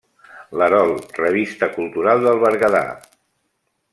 L'erol: revista cultural del Berguedà.